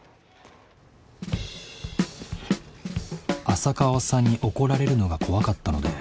浅川さんに怒られるのが怖かったので。